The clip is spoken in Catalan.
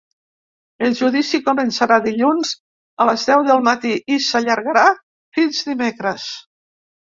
El judici començarà dilluns a les deu del matí i s’allargarà fins dimecres.